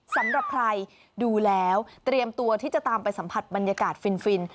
สำหรับใครดูแล้วเตรียมตัวที่จะตามไปสัมผัสบรรยากาศฟิน